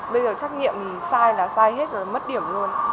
bây giờ trách nhiệm thì sai là sai hết rồi mất điểm luôn